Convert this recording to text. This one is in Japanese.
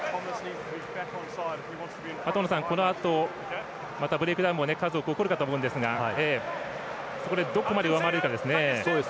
あと、このあとまたブレイクダウンも数多く起こるかと思うんですがそこでどこまで上回れるかですね。